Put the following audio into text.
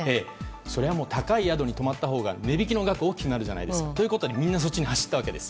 高い宿に泊まったほうが値引きの額が多くなるじゃないですか。ということでみんなそっちに走ったわけです。